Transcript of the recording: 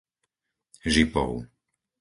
Žipov